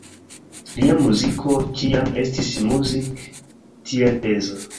Lia muziko ĉiam estis Musik tiel peza.